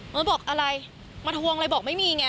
บอกอะไรมาทวงอะไรบอกไม่มีไง